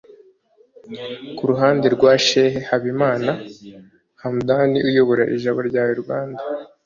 Ku ruhande rwa Sheikh Habimana Hamdan uyobora Ijabo Ryawe Rwanda